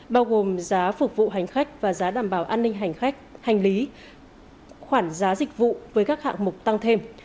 bao gồm giá phục vụ hành khách và giá đảm bảo an ninh hành khách hành lý khoản giá dịch vụ với các hạng mục tăng thêm